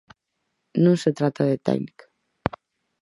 Non se trata de técnica.